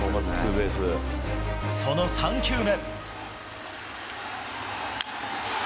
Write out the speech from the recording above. その３球目。